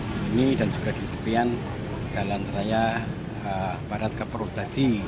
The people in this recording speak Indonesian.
di sini dan juga di tepian jalan raya barat keperu tadi